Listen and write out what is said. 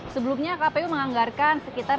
sebelumnya kpu menganggarkan sekitar